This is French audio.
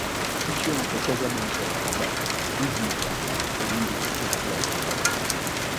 Située entre Casablanca et Rabat, Bouznika est l’une des plus belles plages du royaume.